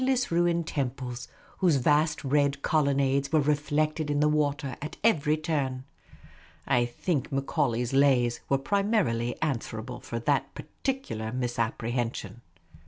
ss ruined temples, whose vast red colon nades were reflected in the water at every turn. I think Macaulay's Lays were primarily answerable for that particu lar misapprehension.